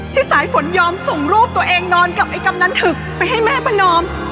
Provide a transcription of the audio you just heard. สายฝนยอมส่งรูปตัวเองนอนกับไอ้กำนันถึกไปให้แม่ประนอม